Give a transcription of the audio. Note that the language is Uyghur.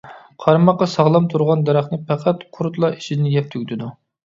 قارىماققا ساغلام تۇرغان دەرەخنى پەقەت قۇرۇتلا ئىچىدىن يەپ تۈگىتىدۇ.